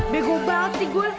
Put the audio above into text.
bego banget sih gue